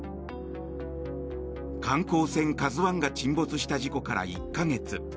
観光船「ＫＡＺＵ１」が沈没した事故から１か月。